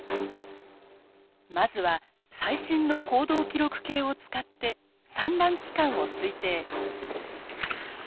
まずは最新の行動記録計を使って産卵期間を推定。